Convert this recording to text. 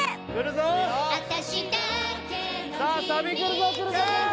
さあサビくるぞくるぞ！